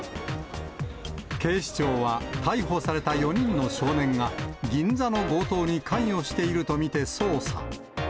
警視庁は、逮捕された４人の少年が、銀座の強盗に関与していると見て捜査。